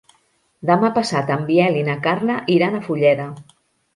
Demà passat en Biel i na Carla iran a Fulleda.